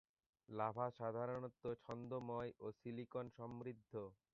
Lava সাধারণত ছন্দময় ও সিলিকন সমৃদ্ধ।